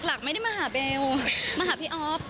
หลักไม่ได้มาหาเบลมาหาพี่อ๊อฟ